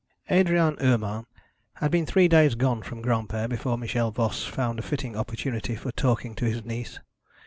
Adrian Urmand had been three days gone from Granpere before Michel Voss found a fitting opportunity for talking to his niece.